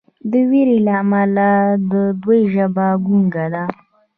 د ویرې له امله د دوی ژبه ګونګه ده.